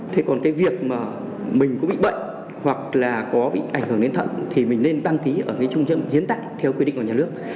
thế còn cái việc mà mình có bị bệnh hoặc là có bị ảnh hưởng đến thận thì mình nên đăng ký ở cái trung tâm hiến tặc theo quy định của nhà nước